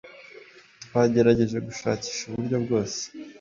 twagerageje gushakisha uburyo bwose